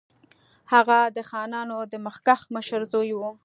هغه د خانانو د مخکښ مشر زوی وو.